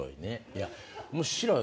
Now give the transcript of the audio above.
いや面白い。